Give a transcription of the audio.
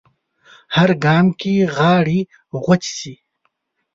هر ګام کې غاړې غوڅې شي